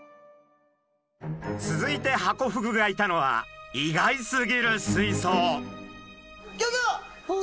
続いてハコフグがいたのは意外すぎる水槽。